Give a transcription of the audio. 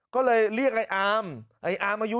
ก็เลยเรียกอามอายุ๒๐